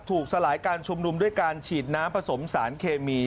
สลายการชุมนุมด้วยการฉีดน้ำผสมสารเคมี